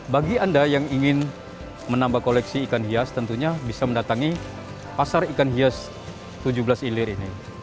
bagi anda yang ingin menambah koleksi ikan hias tentunya bisa mendatangi pasar ikan hias tujuh belas ilir ini